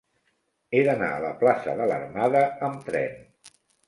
He d'anar a la plaça de l'Armada amb tren.